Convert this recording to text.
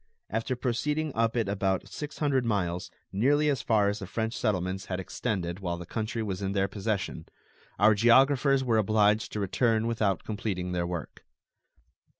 After proceeding up it about six hundred miles, nearly as far as the French settlements had extended while the country was in their possession, our geographers were obliged to return without completing their work.